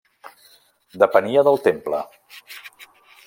Depenia del temple.